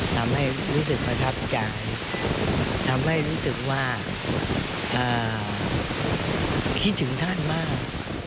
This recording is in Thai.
ทำให้รู้สึกประทับใจทำให้รู้สึกว่าคิดถึงท่านมาก